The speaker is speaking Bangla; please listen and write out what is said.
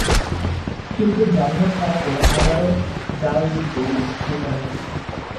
কিন্তু জামিনে ছাড়া পেয়ে আবারও জাল রুপি তৈরি শুরু করেন তিনি।